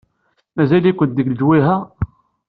Mazal-ikent deg lejwayeh-a?